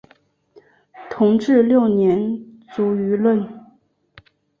同治六年卒于任。